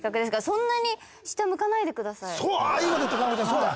そうだ！